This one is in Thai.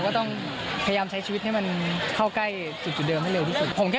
ว่าเฮ้ยผมว่าเค้าเลือกกันแล้วนะ